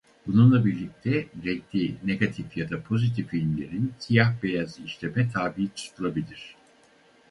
Bununla birlikte renkli negatif ya da pozitif filmlerin siyah beyaz işleme tabi tutulabilir.